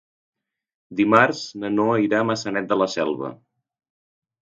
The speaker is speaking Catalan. Dimarts na Noa irà a Maçanet de la Selva.